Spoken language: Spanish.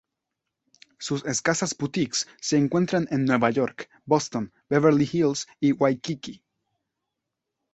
Sus escasas boutiques se encuentran en Nueva York, Boston, Beverly Hills y Waikiki.